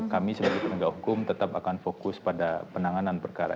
kami sebagai penegak hukum tetap akan fokus pada proses politik yang berjalan